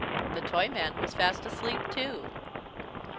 The Toyman was fast asleep too.